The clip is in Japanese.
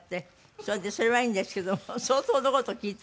それでそれはいいんですけども相当な事聞いて。